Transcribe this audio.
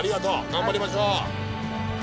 頑張りましょう。